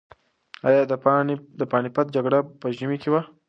ایا د پاني پت جګړه په ژمي کې وه؟